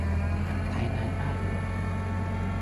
台南愛我